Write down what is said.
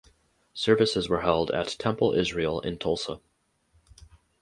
Services were held at Temple Israel in Tulsa.